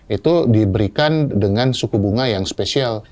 itu diberikan dengan suku bunga yang spesial